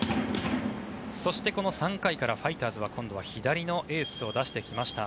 そしてこの３回からファイターズは今度は左のエースを出してきました。